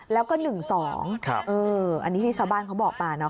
๑๙๒๓๕แล้วก็๑๒ครับเอออันนี้ที่ชาวบ้านเขาบอกมาเนาะ